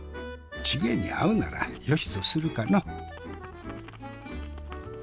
チゲに合うならよしとするかの。